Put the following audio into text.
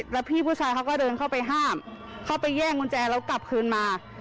แล้วพี่ผู้ชายเขาก็เดินเข้าไปห้ามเข้าไปแย่งกุญแจแล้วกลับคืนมา